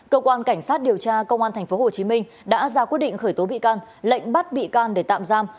cơ quan cảnh sát điều tra công an tp hcm đã ra quyết định khởi tố bị can lệnh bắt bị can để tạm giam